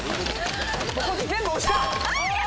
こっち全部押した。